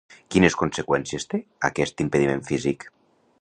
Quines conseqüències té aquest impediment físic?